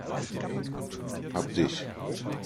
Hab dich!